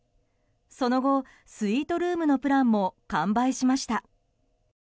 その後、スイートルームのプランも完売しました。